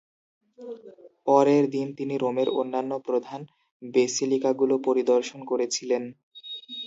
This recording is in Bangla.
পরের দিন তিনি রোমের অন্যান্য প্রধান ব্যাসিলিকাগুলো পরিদর্শন করেছিলেন।